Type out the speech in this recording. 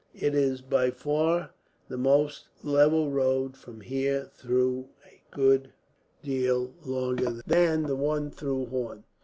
It is by far the most level road from here, though a good deal longer than the one through Horn.